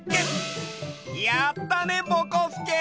やったねぼこすけ！